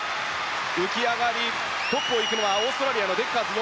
トップを行くのはオーストラリア、デッカーズ。